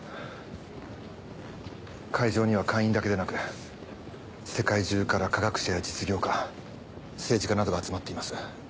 会場には会員だけでなく世界中から科学者や実業家政治家などが集まっています。